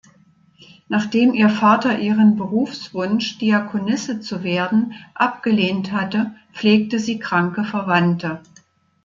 Nachdem ihr Vater ihren Berufswunsch, Diakonisse zu werden, abgelehnt hatte, pflegte sie kranke Verwandte.